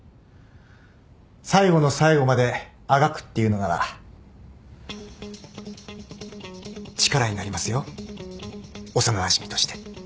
最後の最後まであがくっていうのなら力になりますよ幼なじみとして。